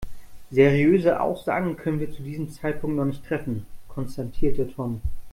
Seriöse Aussagen können wir zu diesem Zeitpunkt noch nicht treffen, konstatierte Tom.